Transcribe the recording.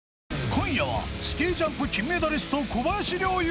今夜はスキージャンプ金メダリスト小林陵侑